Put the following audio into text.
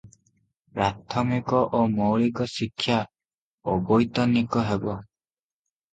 ପ୍ରାଥମିକ ଓ ମୌଳିକ ଶିକ୍ଷା ଅବୈତନିକ ହେବ ।